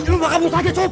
lu bakal bubuk aja cukup